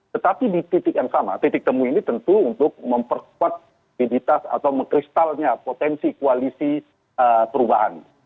tetapi di titik yang sama titik temu ini tentu untuk memperkuat identitas atau mengkristalnya potensi koalisi perubahan